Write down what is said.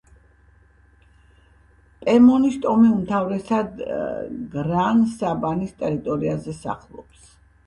პემონის ტომი უმთავრესად გრან-საბანის ტერიტორიაზე სახლობს.